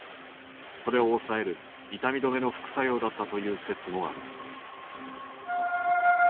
それを抑える痛み止めの副作用だったという説もある。